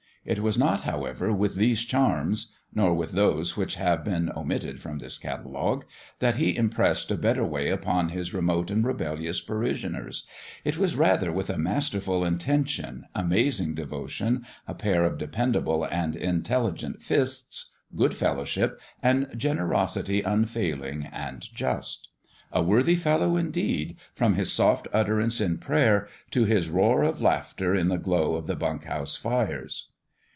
It was not, however, with these charms nor with those which have been omitted from this catalogue that he im pressed a better way upon his remote and rebel lious parishioners ; itVas rather with a masterful intention, amazing devotion, a pair of dependable and intelligent fists, good fellowship, and gener osity unfailing and just. A worthy fellow, in deed, from his soft utterance in prayer to his roar of laughter in the glow of the bunk house fires